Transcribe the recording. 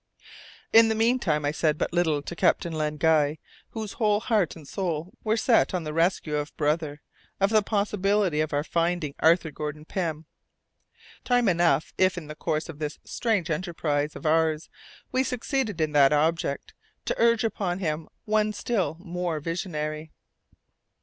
In the meantime I said but little to Captain Len Guy, whose whole heart and soul were set on the rescue of his brother, of the possibility of our finding Arthur Gordon Pym. Time enough, if in the course of this strange enterprise of ours we succeeded in that object, to urge upon him one still more visionary.